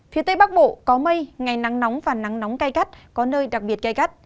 phía tây bắc bộ có mây ngày nắng nóng và nắng nóng cay cắt có nơi đặc biệt cay cắt